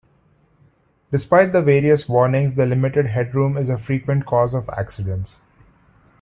Despite the various warnings, the limited headroom is a frequent cause of accidents.